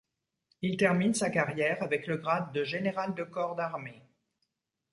Il termine sa carrière avec le grade de général de corps d'armée.